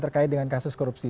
terkait dengan kasus korupsi